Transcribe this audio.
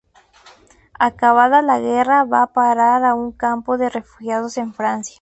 Acabada la guerra va a parar a un campo de refugiados en Francia.